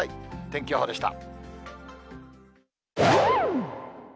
天気予報でした。